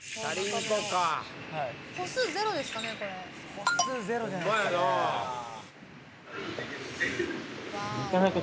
歩数０じゃないっすかね。